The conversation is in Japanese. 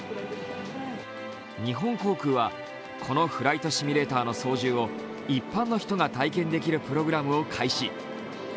日本航空はこのフライトシミュレーターの操縦を一般の人が体験できるプログラムを開始。